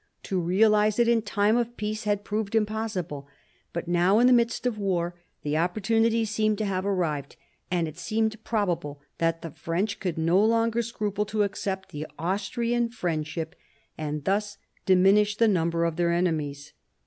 To realise it in time of peace had proved impossible, but now in the midst of war the opportunity seemed to have arrived, and it seemed prob able that the French would no longer scruple to accept the Austrian friendship and thus diminish the number of their enemies.